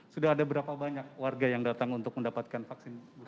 sudah ada berapa banyak warga yang datang untuk mendapatkan vaksin